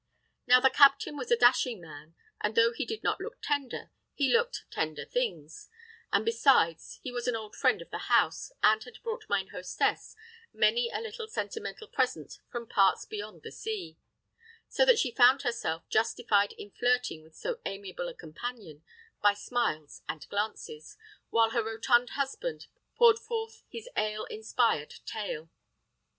Now, the captain was a dashing man, and though he did not look tender, he looked tender things; and besides, he was an old friend of the house, and had brought mine hostess many a little sentimental present from parts beyond the sea; so that she found herself justified in flirting with so amiable a companion by smiles and glances, while her rotund husband poured forth his ale inspired tale.